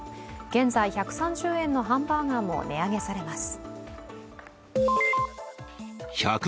現在１３０円のハンバーガーも値上げされます。